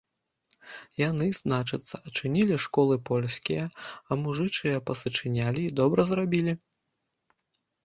Яны, значыцца, адчынілі школы польскія, а мужычыя пазачынялі і добра зрабілі!